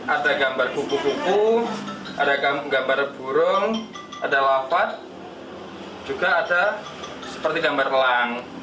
ada gambar kupu kupu ada gambar burung ada lafaz juga ada seperti gambar telang